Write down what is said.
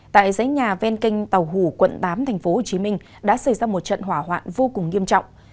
tại dãy nhà ven kênh tàu hủ quận tám tp hcm đã xảy ra một trận hỏa hoạn vô cùng nghiêm trọng